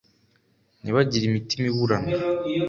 ntibagire imitima iburana,